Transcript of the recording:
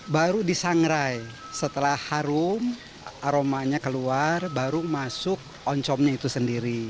baru disangrai setelah harum aromanya keluar baru masuk oncomnya itu sendiri